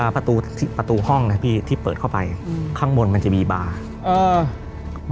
ประตูประตูห้องนะพี่ที่เปิดเข้าไปข้างบนมันจะมีบาร์เออ